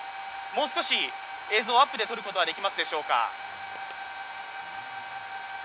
もう少し映像をアップで撮ることはできますでしょうか？